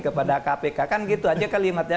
kepada kpk kan gitu saja kelimatnya